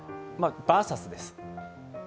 バーサスです。